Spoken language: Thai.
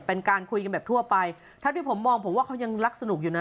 เป็นการคุยกันแบบทั่วไปเท่าที่ผมมองผมว่าเขายังรักสนุกอยู่นะ